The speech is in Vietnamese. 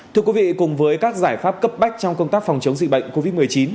thưa quý vị cùng với các giải pháp cấp bách trong công tác phòng chống dịch bệnh covid một mươi chín